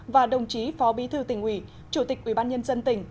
và đồng chí phó bí thư tỉnh ủy chủ tịch ủy ban nhân dân tỉnh